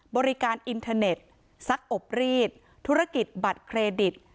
บริการอินเทอร์เน็ตซักอบรีดธุรกิจบัตรเครดิต